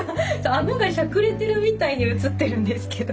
顎がしゃくれてるみたいに写ってるんですけど。